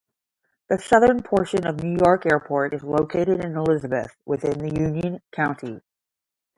The southern portion of Newark Airport is located in Elizabeth, within Union County.